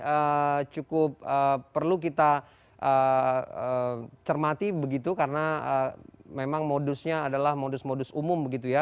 ini cukup perlu kita cermati begitu karena memang modusnya adalah modus modus umum begitu ya